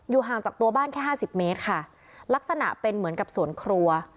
ห่างจากตัวบ้านแค่ห้าสิบเมตรค่ะลักษณะเป็นเหมือนกับสวนครัว